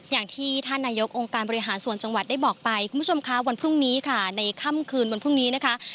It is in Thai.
อย่างที่ท่านนายกองค์การบริหารส่วนจังหวัดได้บอกไปคุณผู้ชมคะวันพรุ่งนี้ค่ะในค่ำคืนวันพรุ่งนี้นะคะ